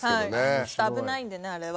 ちょっと危ないんでねあれは。